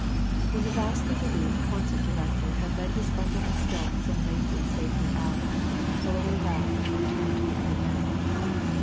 When the vastly relieved concert director had led his bundle of silks and laces safely out, Fullaway laughed and turned to the other men.